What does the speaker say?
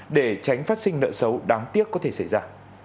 để tránh phát sinh nợ xấu đáng tiếc có thể xảy ra